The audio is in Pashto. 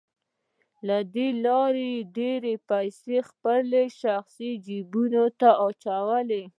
له دې لارې یې ډېرې پیسې خپلو شخصي جیبونو ته اچولې